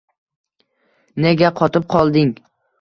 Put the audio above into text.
Nega qotib qolding